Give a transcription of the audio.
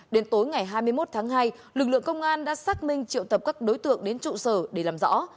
đến tối ngày hai mươi một tháng hai lực lượng công an đã xác minh triệu tập các đối tượng đến trụ sở để làm rõ